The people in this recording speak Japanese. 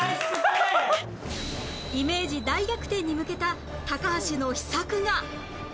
イメージ大逆転に向けた高橋の秘策が